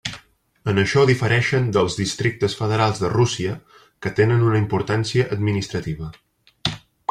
En això difereixen dels districtes federals de Rússia que tenen una importància administrativa.